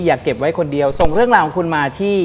เก็บไว้คนเดียวส่งเรื่องราวของคุณมาที่